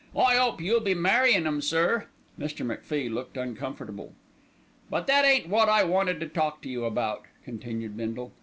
"I 'ope you'll be marryin' 'em, sir." Mr. MacFie looked uncomfortable. "But that ain't wot I wanted to talk to you about," continued Bindle.